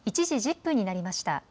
１時１０分になりました。